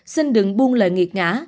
xin đừng buông lời nghiệt ngã